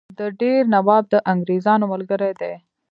د دیر نواب د انګرېزانو ملګری دی.